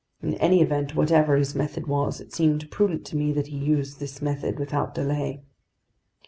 In any event, whatever his method was, it seemed prudent to me that he use this method without delay.